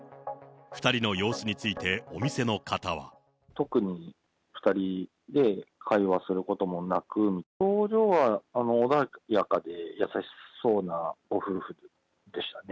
２人の様子について、お店の方は。特に２人で会話することもなく、表情は穏やかで優しそうなご夫婦でしたね。